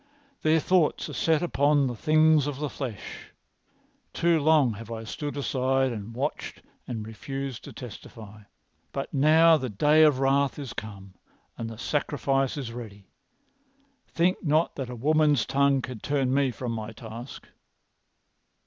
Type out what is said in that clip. Their thoughts are set upon the things of the flesh. Too long have I stood aside and watched and refused to testify. But now the day of wrath is come and the sacrifice is ready. Think not that a woman's tongue can turn me from my task."